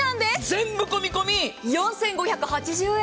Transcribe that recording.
全部込み込み４５８０円。